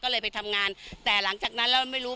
ก็เลยไปทำงานแต่หลังจากนั้นเราไม่รู้